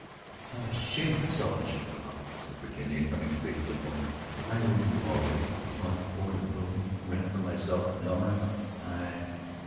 "I am ashamed of myself, Mr. Struve," said Virginia, coming straight to the point. "I owe you already for a month's board and room rent for myself and Elmer. I